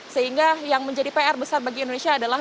sehingga yang menjadi pr besar bagi indonesia adalah